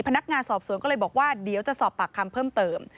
พนักงานสอบสวนก็เลยบอกว่าเดี๋ยวจะสอบปากคำเพิ่มเติม